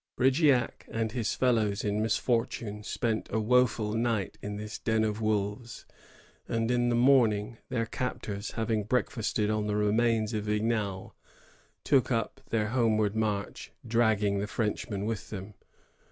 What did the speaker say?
Brigeac and his fellows in misfortune spent a wo ful night in this den of wolves; and in the morning their captors, having breakfasted on the remains of Vignal, took up their homeward march, dragging the Frenchmen with them.